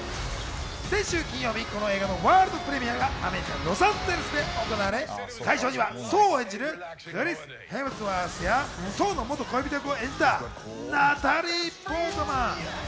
先週金曜日、この映画のワールド・プレミアがアメリカ・ロサンゼルスで行われ、会場にはソーを演じるクリス・ヘムズワーズや、ソーの元恋人役を演じたナタリー・ポートマン。